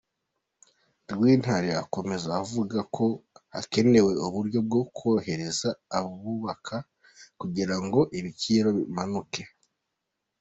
Rwitare akomeza avuga ko hakenewe uburyo bwo korohereza abubaka, kugira ngo ibiciro bimanuke.